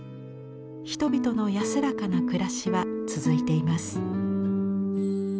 人々の安らかな暮らしは続いています。